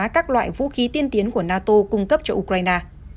các loại vũ khí tiên tiến của nato cung cấp cho ukraine